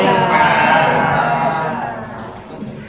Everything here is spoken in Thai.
ขอบคุณค่ะ